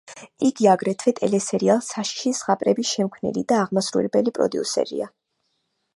იგი აგრეთვე ტელესერიალ „საშიში ზღაპრების“ შექმნელი და აღმასრულებელი პროდიუსერია.